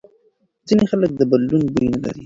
ځینې خلک د بدن بوی نه لري.